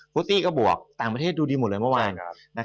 ูตี้ก็บวกต่างประเทศดูดีหมดเลยเมื่อวาน